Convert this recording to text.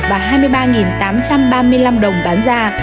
và hai mươi ba tám trăm ba mươi năm đồng bán ra